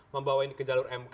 membawakan ke jalur mk